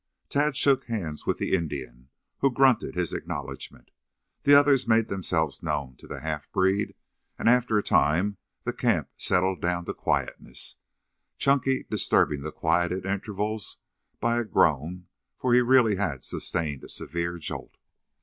Tad shook hands with the Indian, who grunted his acknowledgment. The others made themselves known to the half breed and after a time the camp settled down to quietness, Chunky disturbing the quiet at intervals by a groan, for he really had sustained a severe jolt.